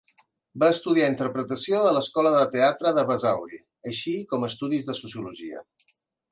Va estudiar interpretació a l'Escola de Teatre de Basauri, així com estudis de sociologia.